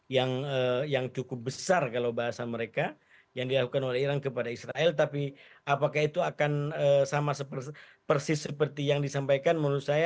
yang cukup besar kalau bahasa mereka yang dilakukan oleh iran kepada israel tapi apakah itu akan sama persis seperti yang disampaikan menurut saya